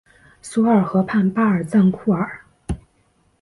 索尔河畔巴尔赞库尔。